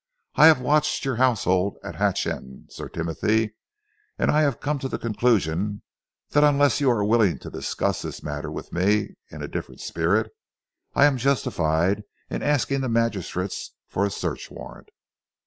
I have watched your house at Hatch End, Sir Timothy, and I have come to the conclusion that unless you are willing to discuss this matter with me in a different spirit, I am justified in asking the magistrates for a search warrant."